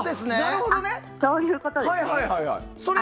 そういうことですね。